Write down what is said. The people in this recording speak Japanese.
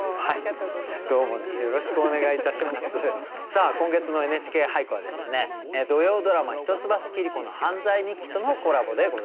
さあ今月の「ＮＨＫ俳句」は土曜ドラマ「一橋桐子の犯罪日記」とのコラボでございます。